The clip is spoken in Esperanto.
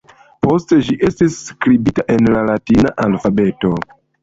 Poste ĝi estis skribita en la latina alfabeto.